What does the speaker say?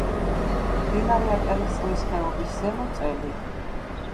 მდინარე აჭარისწყლის ხეობის ზემო წელი.